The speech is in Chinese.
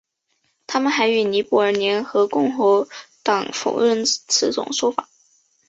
他们还与尼泊尔联合共产党否认此种说法。